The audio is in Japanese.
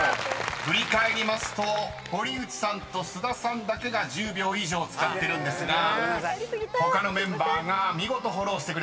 ［振り返りますと堀内さんと須田さんだけが１０秒以上使ってるんですが他のメンバーが見事フォローしてくれました］